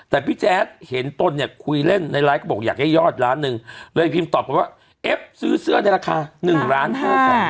แต่พี่แจ๊สเห็นตนนี่คุยเล่นในไลฟ์บอกอยากให้ยอดยอดล้านนึงเลยพี่อฟีมตอบได้เว้วว่าเอ๊ฟซื้อเสื้อเนี่ยราคา๑๕๐๐๐๐บาท